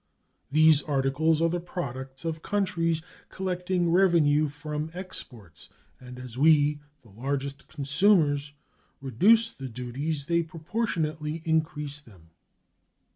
These articles are the products of countries collecting revenue from exports, and as we, the largest consumers, reduce the duties they proportionately increase them.